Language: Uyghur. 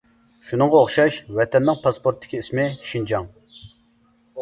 شۇنىڭغا ئوخشاش ۋەتەننىڭ پاسپورتتىكى ئىسمى شىنجاڭ.